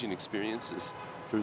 qua nền kết quả